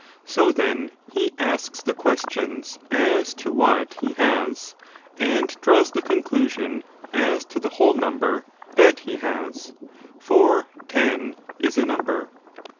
So then, he asks the questions as to what he has, and draws the conclusion as to the whole number that he has : for ten is a number.